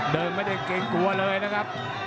ไม่ได้เกรงกลัวเลยนะครับ